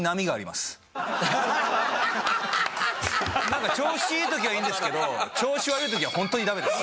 なんか調子いい時はいいんですけど調子悪い時はホントにダメです。